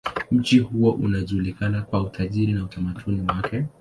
Mji huo unajulikana kwa utajiri wa utamaduni wake.